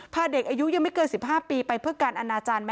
พาเด็กอายุยังไม่เกิน๑๕ปีไปเพื่อการอนาจารย์